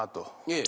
ええ。